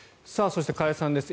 そして加谷さんです。